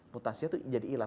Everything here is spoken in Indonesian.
mutasi itu jadi hilang